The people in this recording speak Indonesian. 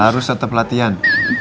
harus tetap latihan